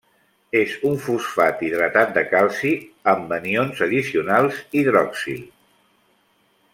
És un fosfat hidratat de calci amb anions addicionals hidroxil.